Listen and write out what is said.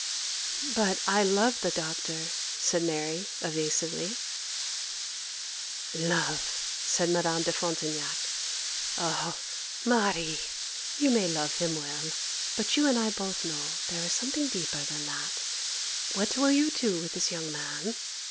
'But I love the Doctor,' said Mary, evasively. 'Love!' said Madame de Frontignac. 'Oh, Marie! you may love him well, but you and I both know that there is something deeper than that! What will you do with this young man?